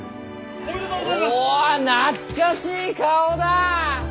お懐かしい顔だ！